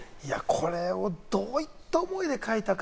これをどういった思いで書いたか。